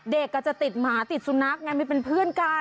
เด็กอาจจะติดหมาติดสุนัขไงมันเป็นเพื่อนกัน